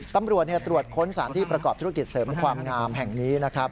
ตำรวจตรวจค้นสารที่ประกอบธุรกิจเสริมความงามแห่งนี้นะครับ